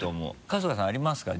春日さんありますか？